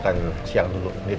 tunggu nih a enclosed